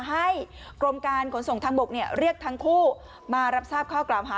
ให้กรมการขนส่งทางบกเรียกทั้งคู่มารับทราบข้อกล่าวหา